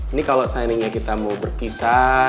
ini kalau signingnya kita mau berpisah